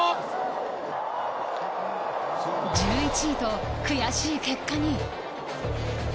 １１位と悔しい結果に。